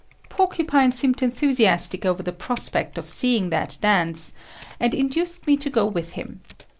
Porcupine seemed enthusiastic over the prospect of seeing that dance, and induced me to go with him.